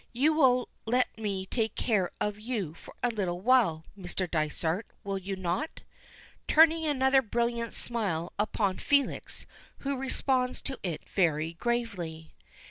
You will let me take care of you for a little while, Mr. Dysart, will you not?" turning another brilliant smile upon Felix, who responds to it very gravely.